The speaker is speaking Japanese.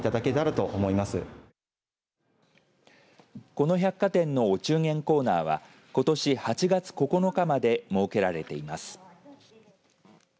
この百貨店のお中元コーナーはことし８月９日まで設けられています。